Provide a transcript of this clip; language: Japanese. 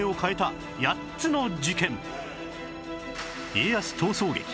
家康逃走劇